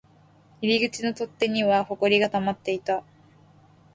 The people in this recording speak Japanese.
入り口の取っ手には埃が溜まっていた